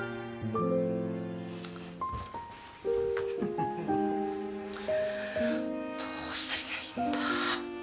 フフフフどうすりゃいいんだ。